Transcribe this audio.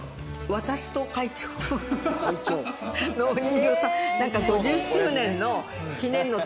私と会長のお人形さん。